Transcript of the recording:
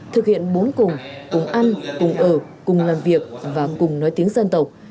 thực hiện bốn cùng cùng ăn cùng ở cùng làm việc và cùng nói tiếng dân tộc